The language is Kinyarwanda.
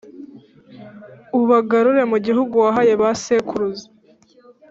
ubagarure mu gihugu wahaye ba sekuruza